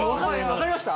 分かりました？